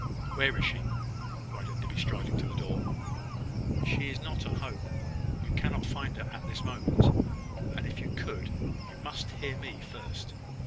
"Where is she?" cried Enderby, striding to the door. "She is not at home. You cannot find her at this moment: and if you could, you must hear me first.